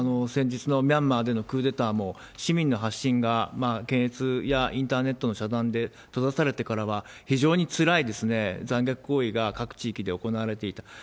先日のミャンマーでのクーデターも、市民の発信が検閲やインターネットの遮断で閉ざされてからは、非常につらい残虐行為が各地域で行われていた。